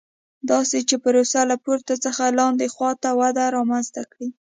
داسې چې پروسه له پورته څخه لاندې خوا ته وده رامنځته کړي.